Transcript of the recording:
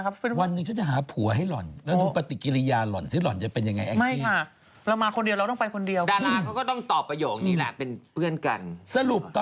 ก็ขอขอบคุณแฮนด์แฟนรับไปดนี้แต่ผมงงจะงอนกันไม่ได้เป็นแฟนกันไม่ใช่หรือฮะ